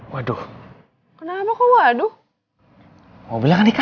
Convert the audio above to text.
waduh kenapa kau waduh mobilnya di kafe